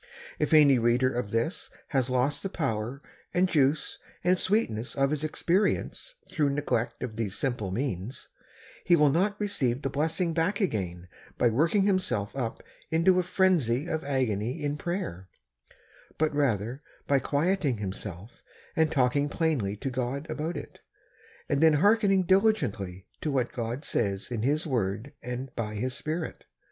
If any reader of this has lost the power and juice and sweetness of his experience through neglect of these simple means, he will not receive the blessing back again by working himself up into a frenzy of agony in prayer, but rather by quieting himself and talking plainly to God about it, and then hearkening diligently to w^hat God says in His word and by His Spirit.